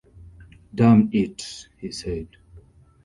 “Damn it!” he said.